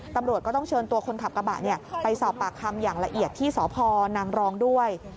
ตำรวจก็ต้องเชิญตัวคนขับกระบะไปสอบปากคำอย่างละเอียดที่สพนางรองด้วย